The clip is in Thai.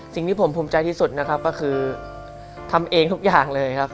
สิ่งที่ผมภูมิใจที่สุดนะครับก็คือทำเองทุกอย่างเลยครับ